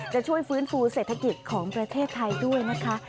จะช่วยฟื้นฟูเศรษฐกิจของประเทศไทยด้วยนะคะ